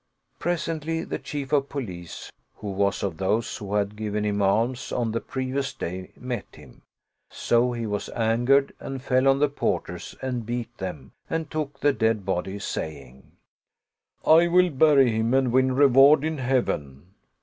Presently, the Chief of Police, who was of those who had given him alms on the previous day, met him ; so he was angered and fell on the porters and beat them and took the dead body, saying, " I will bury him and win reward in Heaven."